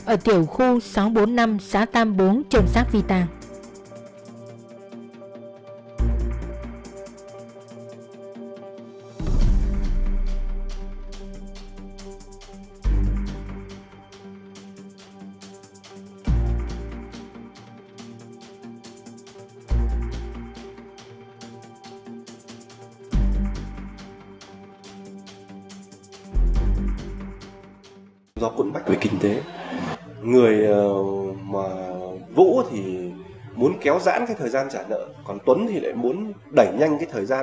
ở tiểu khu sáu trăm bốn mươi năm xã tám mươi bốn trường sát vita